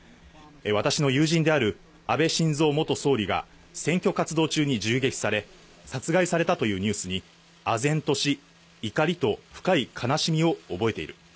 私の友人である安倍晋三元総理が選挙活動中に銃撃され、殺害されたというニュースに、あぜんとし、怒りと深い悲しみを覚えている。